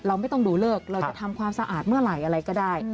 เราไม่ต้องดูเลิกเราจะทำความสะอาดเมื่อไหร่อะไรก็ได้